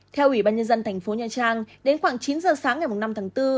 theo ủy ban nhân dân thành phố nha trang đến khoảng chín giờ sáng ngày năm tháng bốn